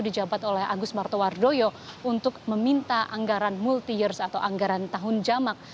dijabat oleh agus martowardoyo untuk meminta anggaran multi years atau anggaran tahun jamak